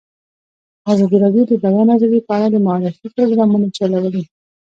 ازادي راډیو د د بیان آزادي په اړه د معارفې پروګرامونه چلولي.